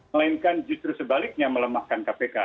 melainkan justru sebaliknya melemahkan kpk